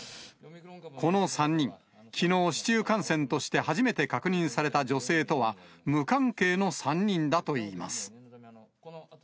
この３人、きのう市中感染として初めて確認された女性とは、無関係の３人だといいます。